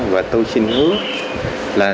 và tôi xin hứa